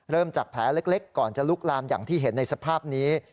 เริ่มจากแผลเล็กก่อนจะลุกลามอย่างที่เห็นในสภาพนี้